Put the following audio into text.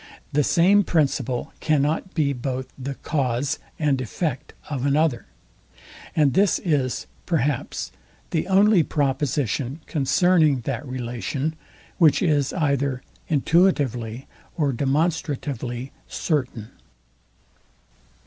The same principle cannot be both the cause and effect of another; and this is, perhaps, the only proposition concerning that relation, which is either intuitively or demonstratively certain.